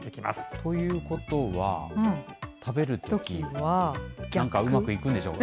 ということは、食べるとき、なんかうまくいくんでしょうか。